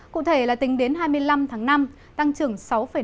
cụ thể là tính đến hai mươi năm tháng năm tăng trưởng sáu năm mươi ba